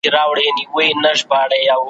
دا په داسې حال کې ده